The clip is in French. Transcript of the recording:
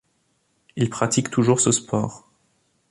Il pratique toujours ce sport.